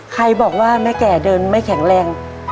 ใครบอกว่าแม่แก่เดินไม่แข็งแรง